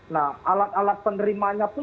nah alat alat penerimanya pun